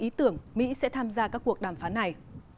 ý tưởng mỹ sẽ tham gia các cuộc đàm phán này